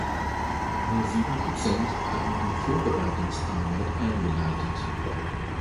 Nur sieben Prozent haben die Vorbereitungsarbeit eingeleitet.